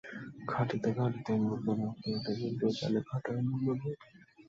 খাটিতে খাটিতে মুখে রক্ত ওঠে-কিন্তু এখানে খাটার মূল্য নাই।